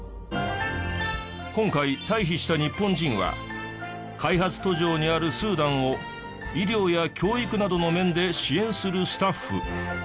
今回退避した日本人は開発途上にあるスーダンを医療や教育などの面で支援するスタッフ。